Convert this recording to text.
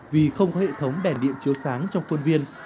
vì không có hệ thống đèn điện chiếu sáng trong khuôn viên